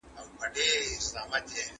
خپلمنځي مشوره کول ولي ګټور دي؟